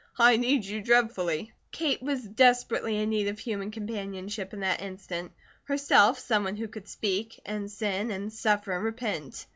I need you dreadfully." Kate was desperately in need of human companionship in that instant, herself, someone who could speak, and sin, and suffer, and repent.